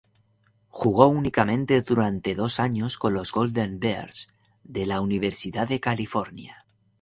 Jugó únicamente durante dos años con los "Golden Bears" de la Universidad de California.